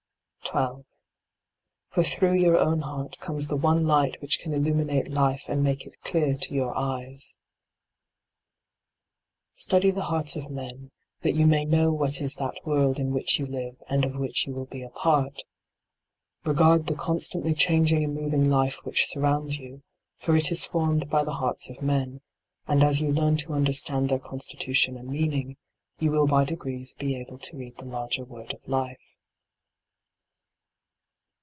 12. For through your own heart comes the one light which can illuminate life and make it clear to yoiu: eyes. B d by Google i8 LIGHT ON THE PATH Study the hearts of men, that you may know what is that world in which you live and of which you will be a part. Regard the constantly changing and moving life which surrounds you, for it is formed by the hearts of men : and as you learn to understand their constitution and meaning, you will by degrees be able to read the larger word of life.